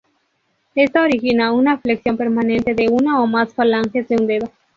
Esto origina una flexión permanente de una o más falanges de un dedo.